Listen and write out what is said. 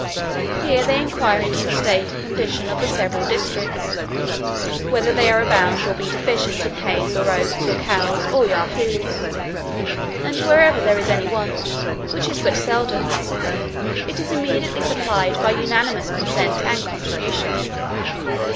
Here they inquire into the state and condition of the several districts; whether they abound or be deficient in hay or oats, or cows, or Yahoos; and wherever there is any want (which is but seldom) it is immediately supplied by unanimous consent and contribution.